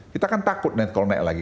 kita kan takut kalau naik lagi